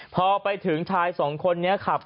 พอไปถึงชายสองคนนี้ขับ